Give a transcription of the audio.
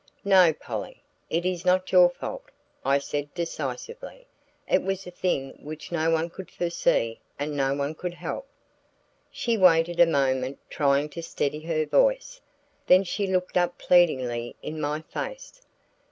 "No, Polly, it is not your fault," I said decisively. "It was a thing which no one could foresee and no one could help." She waited a moment trying to steady her voice, then she looked up pleadingly in my face.